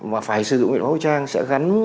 mà phải sử dụng biện pháp vũ trang